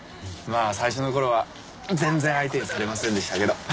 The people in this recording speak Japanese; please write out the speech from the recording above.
まあ最初の頃は全然相手にされませんでしたけど。